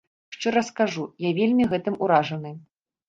Шчыра скажу, я вельмі гэтым уражаны.